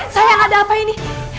sayang ada apa ini